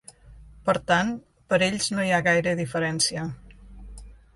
Per tant, per ells no hi ha gaire diferència.